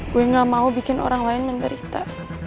gue gak mau bikin orang lain menderita